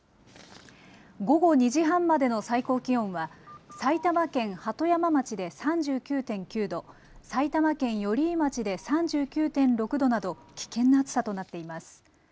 午後２時半までの最高気温は埼玉県鳩山町で３９．９度、埼玉県寄居町で３９．６度など危険な暑さとなっています。